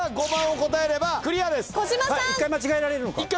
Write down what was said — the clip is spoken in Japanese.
１回間違えられるのか。